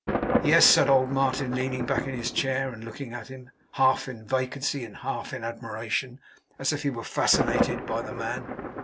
'Yes,' said old Martin, leaning back in his chair, and looking at him, half in vacancy and half in admiration, as if he were fascinated by the man.